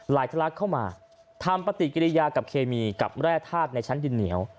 ทะลักเข้ามาทำปฏิกิริยากับเคมีกับแร่ธาตุในชั้นดินเหนียว